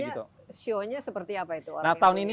sio nya seperti apa itu nah tahun ini